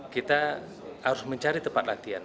kita harus mencari tempat latihan